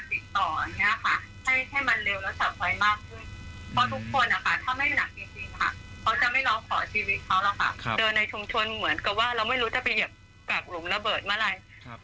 เดินในชุมชนเหมือนว่าเราไม่รู้จะไปอะไร